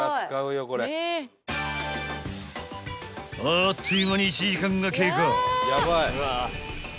［あっという間に１時間が経過］